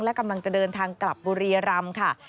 และกำลังจะเดินทางกลับบุรียรำค่ะ